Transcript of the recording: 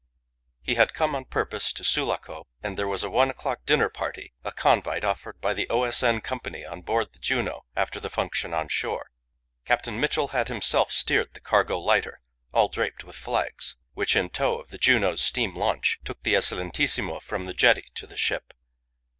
He had come on purpose to Sulaco, and there was a one o'clock dinner party, a convite offered by the O.S.N. Company on board the Juno after the function on shore. Captain Mitchell had himself steered the cargo lighter, all draped with flags, which, in tow of the Juno's steam launch, took the Excellentissimo from the jetty to the ship.